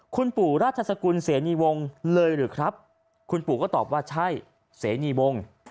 คุณปู่ราชสกุลเสนีวงศ์เลยหรือครับคุณปู่ก็ตอบว่าใช่เสนีวง